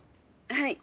「はい」。